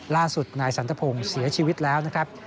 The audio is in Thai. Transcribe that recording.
ล่าสุดนายสันทพงศ์เสียชีวิตแล้วนะครับ